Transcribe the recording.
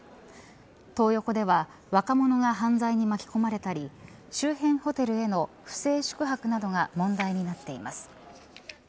トー横では若者が犯罪に巻き込まれたり周辺ホテルへの不正宿泊などが問題になっています。